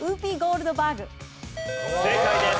正解です。